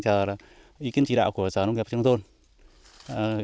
chờ ý kiến chỉ đạo của sở nông nghiệp phát triển nông thôn